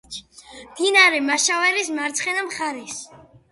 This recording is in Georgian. მდინარე მაშავერის მარცხენა მხარეს.